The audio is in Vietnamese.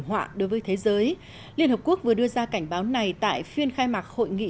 trọng với thế giới liên hợp quốc vừa đưa ra cảnh báo này tại phiên khai mạc hội nghị